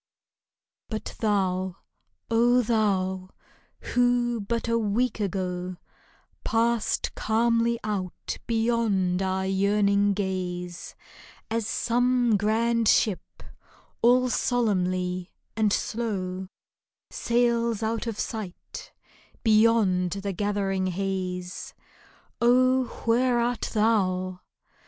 But thou, O thou, who but a week ago Passed calmly out beyond our yearning gaze, As some grand ship, all solemnly and slow, Sails out of sight beyond the gathering haze — Oh, where art thou